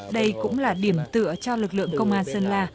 đây cũng là điểm tựa cho lực lượng công an sơn la